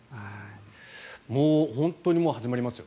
もう本当に始まりますよ。